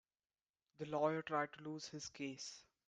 The lawyer tried to lose his case.